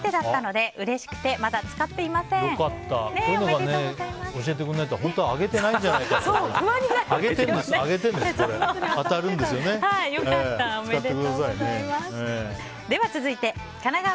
こういうの教えてくれないとあげてないんじゃないかと。